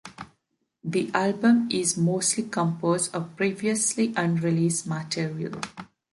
The album is mostly composed of previously unreleased material.